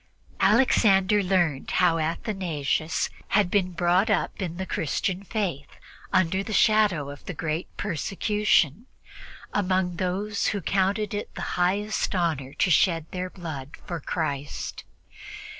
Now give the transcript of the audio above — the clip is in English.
Alexander learned how Athanasius had been brought up in the Christian Faith under the shadow of the great persecution, among those who counted it the highest honor to shed their blood for Christ.